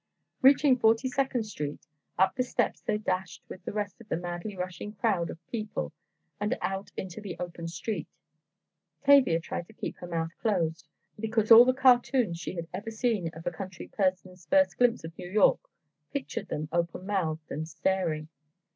Reaching Forty second Street, up the steps they dashed with the rest of the madly rushing crowd of people and out into the open street. Tavia tried to keep her mouth closed, because all the cartoons she had ever seen of a country person's first glimpse of New York pictured them open mouthed, and staring.